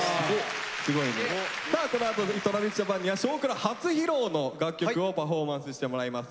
さあこのあとＴｒａｖｉｓＪａｐａｎには「少クラ」初披露の楽曲をパフォーマンスしてもらいます。